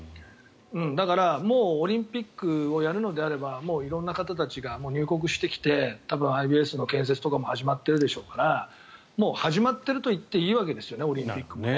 だから、もうオリンピックをやるのであれば色んな方たちが入国してきて始まっているでしょうから始まっているといっていいわけですよねオリンピックも。